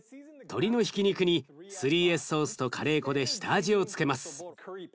鶏のひき肉に３Ｓソースとカレー粉で下味を付けます。